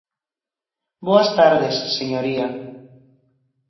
Boas tardes, señoría.